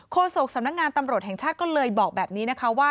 โศกสำนักงานตำรวจแห่งชาติก็เลยบอกแบบนี้นะคะว่า